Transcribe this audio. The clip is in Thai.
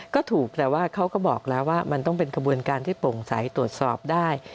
ก็ถูกแต่ว่าเขาก็บอกแล้วว่ามันต้องเป็นขบวนการที่โปร่งใสตรวจสอบได้